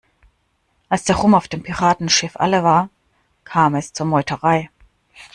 Als der Rum auf dem Piratenschiff alle war, kam es zur Meuterei.